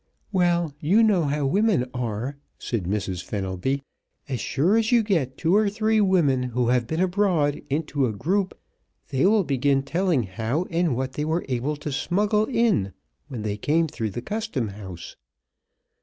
"Well, you know how women are," said Mrs. Fenelby. "As sure as you get two or three women who have been abroad into a group they will begin telling how and what they were able to smuggle in when they came through the custom house.